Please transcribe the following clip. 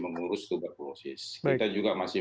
mengurus tuberkulosis kita juga masih